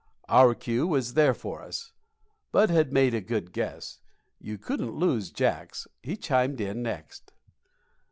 Our cue was there for us. Bud had made a good guess. You couldn't lose Jacks. He chimed in next.